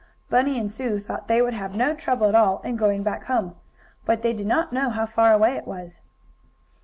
Bunny and Sue thought they would have no trouble at all in going back home, but they did not know how far away it was.